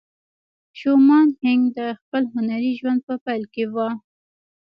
شومان هینک د خپل هنري ژوند په پیل کې وه